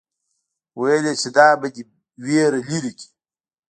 ويل يې چې دا به دې وېره لري کړي.